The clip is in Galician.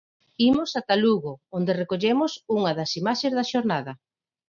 Imos ata Lugo, onde recollemos unha das imaxes da xornada.